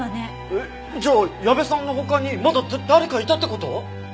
えっじゃあ矢部さんの他にまだ誰かいたって事！？